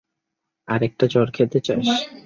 আরেকটা চড় খেতে চাস?